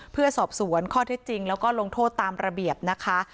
เพื่อสอบสวนข้อเท็จจริงแล้วก็ลงโทษตามระเบียบนะคะ